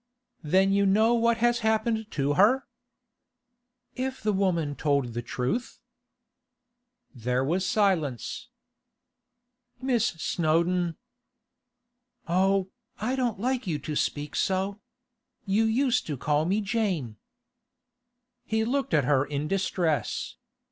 'Then you know what has happened to her?' 'If the woman told the truth.' There was silence. 'Miss Snowdon—' 'Oh, I don't like you to speak so. You used to call me Jane.' He looked at her in distress.